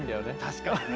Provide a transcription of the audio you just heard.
確かにね。